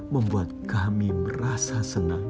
membuat kami merasa senang